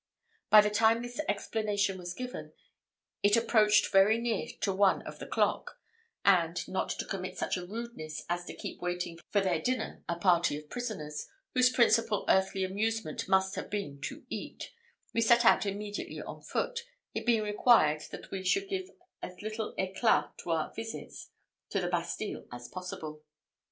By the time this explanation was given, it approached very near to one of the clock; and, not to commit such a rudeness as to keep waiting for their dinner a party of prisoners, whose principal earthly amusement must have been to eat, we set out immediately on foot, it being required that we should give as little éclat to our visits to the Bastille as possible.